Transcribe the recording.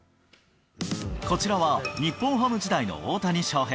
こちらは、日本ハム時代の大谷翔平。